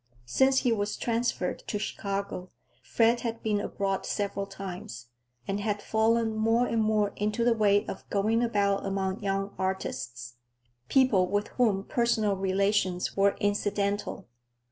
Since he was transferred to Chicago, Fred had been abroad several times, and had fallen more and more into the way of going about among young artists,—people with whom personal relations were incidental.